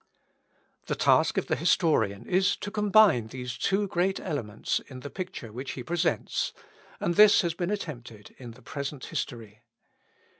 The task of the historian is to combine these two great elements in the picture which he presents, and this has been attempted in the present history.